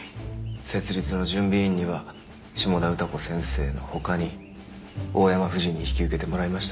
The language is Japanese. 設立の準備委員には下田歌子先生の他に大山夫人に引き受けてもらいました。